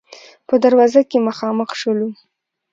په دروازه کې مخامخ شولو.